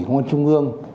bộ công an trung ương